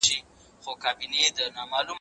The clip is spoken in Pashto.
ده چي ول آس به بالا چابک وي باره ستړی و